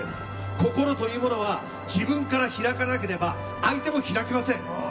心というものは自分から開かなければ相手も開きません。